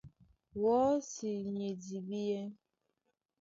Wɔ́si ni e dibíɛ́.